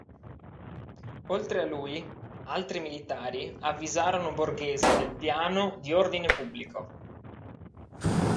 Oltre a lui, altri militari avvisarono Borghese del piano di ordine pubblico.